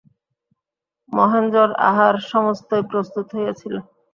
মহেন্দ্রের আহার সমস্তই প্রস্তুত হইয়াছিল।